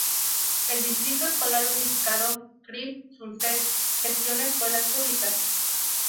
El Distrito Escolar Unificado Reef-Sunset gestiona escuelas públicas.